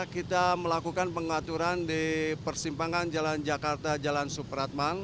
kita melakukan pengaturan di persimpangan jalan jakarta jalan supratman